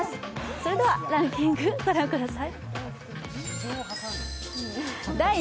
それではランキング御覧ください。